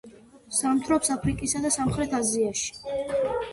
ზამთრობს აფრიკასა და სამხრეთ აზიაში.